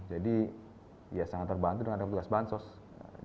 jadi ya sangat terbantu dengan adanya petugas bantuan sosial